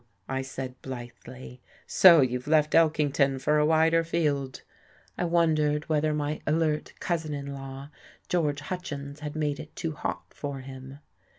I said blithely. "So you've left Elkington for a wider field." I wondered whether my alert cousin in law, George Hutchins, had made it too hot for him.